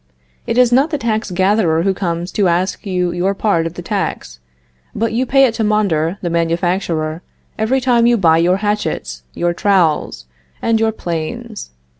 It is not the tax gatherer who comes to ask you your part of the tax, but you pay it to Mondor, the manufacturer, every time you buy your hatchets, your trowels, and your planes.